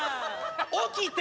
起きて。